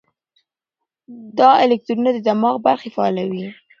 دا الکترودونه د دماغ برخې فعالوي.